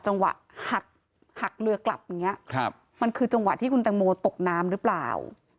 จังหวะหักเรือกลับมันคือจังหวะที่คุณตังโมตกน้ำหรือเปล่า